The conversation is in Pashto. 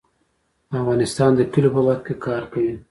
افغانستان د کلیو په برخه کې کار کوي.